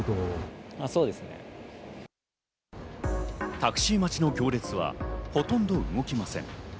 タクシー待ちの行列はほとんど動きません。